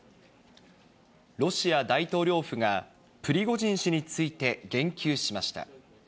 ロシア大統領府が、プリゴジン氏について言及しました。